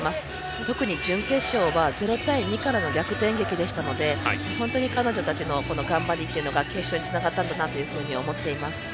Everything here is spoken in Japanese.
特に準決勝は０対２からの逆転劇でしたので本当に彼女たちの頑張りというのが決勝につながったんだなと思っています。